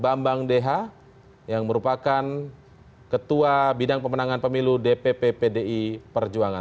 bambang deha yang merupakan ketua bidang pemenangan pemilu dpp pdi perjuangan